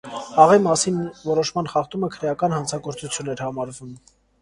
Աղի մասին որոշման խախտումը քրեական հանցագործություն էր համարվում։